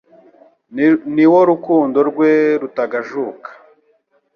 ni wo rukundo rwe rutagajuka.